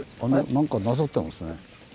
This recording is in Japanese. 何かなさってますね。